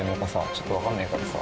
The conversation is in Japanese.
ちょっとわかんねえからさ。